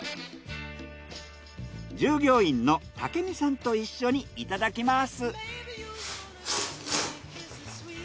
従業員の武見さんと一緒にいただきます。